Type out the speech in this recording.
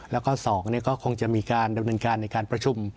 แล้วก็๒ก็คงจะมีการดำเนินการในการประชุม